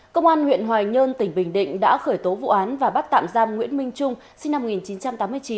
công an huyện hoài nhơn tỉnh bình định đã khởi tố vụ án và bắt tạm giam nguyễn minh trung sinh năm một nghìn chín trăm tám mươi chín